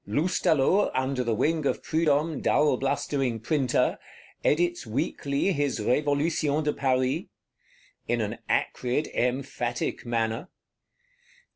Loustalot, under the wing of Prudhomme dull blustering Printer, edits weekly his Révolutions de Paris; in an acrid, emphatic manner.